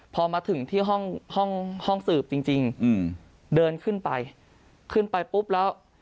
พอมาถึงที่ห้องห้องสืบจริงจริงอืมเดินขึ้นไปขึ้นไปปุ๊บแล้ว